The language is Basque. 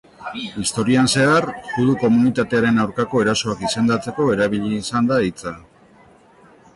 Historian zehar, judu-komunitatearen aurkako erasoak izendatzeko erabili izan da hitza.